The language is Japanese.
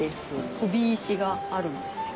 飛び石があるんですよ。